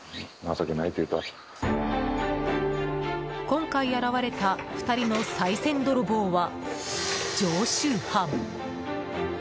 今回現れた２人のさい銭泥棒は常習犯。